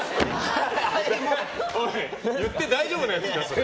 おい、言って大丈夫なやつかそれ。